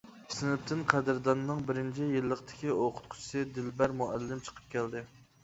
سىنىپتىن قەدىرداننىڭ بىرىنچى يىللىقتىكى ئوقۇتقۇچىسى دىلبەر مۇئەللىم چىقىپ كەلدى.